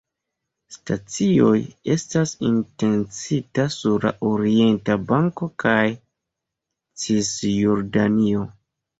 Stacioj estas intencita sur la Orienta Banko kaj Cisjordanio.